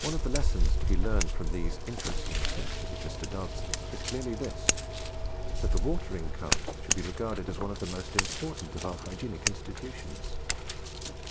One of the lessons to be learned from these interesting researches of Mr. Dancer is clearly this, that the watering cart should be regarded as one of the most important of our hygienic institutions.